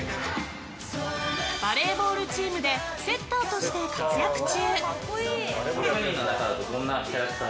バレーボールチームでセッターとして活躍中。